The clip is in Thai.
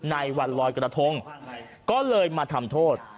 ในวันลอยกระทงก็เลยมาทำโทษ